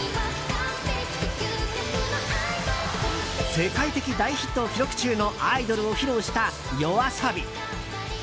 世界的大ヒットを記録中の「アイドル」を披露したＹＯＡＳＯＢＩ。